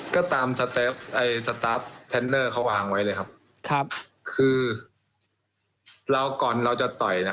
ก็ตามไอเขาวางไว้เลยครับครับคือเราก่อนเราจะต่อยน่ะ